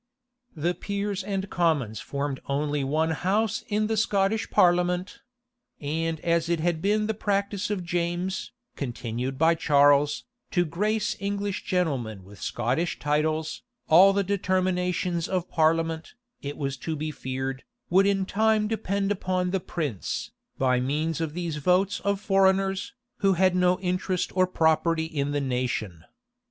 The peers and commons formed only one house in the Scottish parliament: and as it had been the practice of James, continued by Charles, to grace English gentlemen with Scottish titles, all the determinations of parliament, it was to be feared, would in time depend upon the prince, by means of these votes of foreigners, who had no interest or property in the nation.